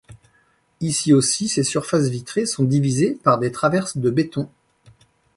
Ici aussi, ces surfaces vitrées sont divisés par des traverses de béton.